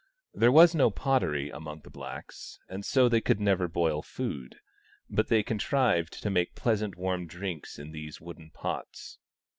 There was no pottery among the blacks, and so they could never boil food, but they contrived to make pleasant warm drinks in these wooden pots.